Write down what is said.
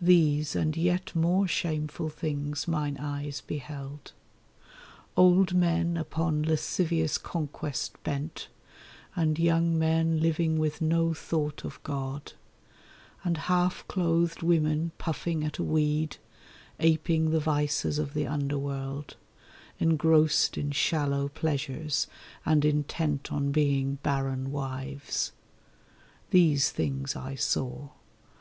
These and yet more shameful things mine eyes beheld: Old men upon lascivious conquest bent, and young men living with no thought of God, And half clothed women puffing at a weed, aping the vices of the underworld, Engrossed in shallow pleasures and intent on being barren wives. These things I saw.